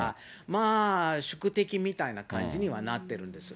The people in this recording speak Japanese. まあ宿敵みたいな感じにはなってるんですよ。